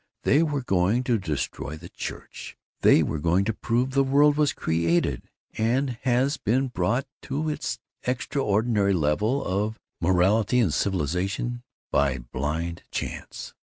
They were going to destroy the church; they were going to prove the world was created and has been brought to its extraordinary level of morality and civilization by blind chance.